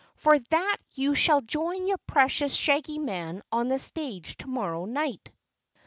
For that you shall join your precious Shaggy Man on the stage tomorrow night."